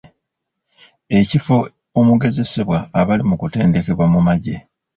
Ekifo omugezesebwa abali mu kutendekebwa mu magye.